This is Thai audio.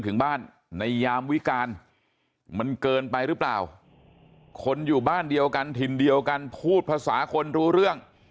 ถึงบ้านในยามวิการมันเกินไปหรือเปล่าคนอยู่บ้านเดียวกันถิ่นเดียวกันพูดภาษาคนรู้เรื่อง